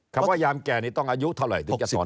คำว่ายามแก่นี่ต้องอายุเท่าไหร่ถึงจะสอน